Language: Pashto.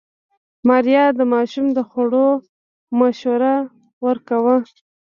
ماريا د ماشوم د خوړو مشوره ورکړه.